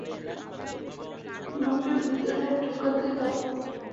আমাকে ভেতরে ঢুকতে দাও!